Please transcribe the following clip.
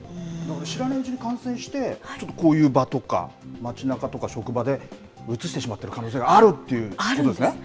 知らないうちに感染して、ちょっとこういう場とか、街なかとか職場でうつしてしまっている可能性があるということですね。